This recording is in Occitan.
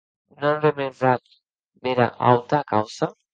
Non rebrembatz bèra auta causa?